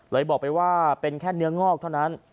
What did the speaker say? บอกไปว่าเป็นแค่เนื้องอกเท่านั้น